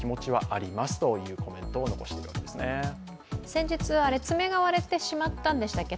先日、爪が割れてしまったんでしたっけ。